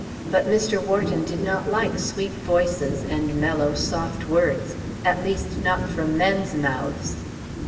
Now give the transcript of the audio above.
But Mr. Wharton did not like sweet voices and mellow, soft words, at least not from men's mouths.